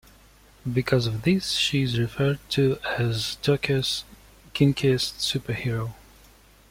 Because of this, she is referred to as "Tokyo's kinkiest superhero".